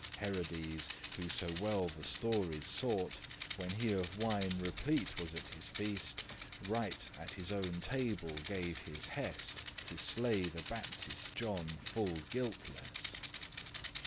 Herodes, who so well the stories sought, <10> When he of wine replete was at his feast, Right at his owen table gave his hest* *command To slay the Baptist John full guilteless.